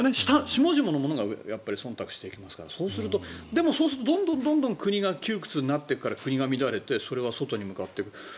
下々の者がそんたくしていきますからでもそうすると、どんどん国が窮屈になっていくから国が乱れてそれは外に向かっていく。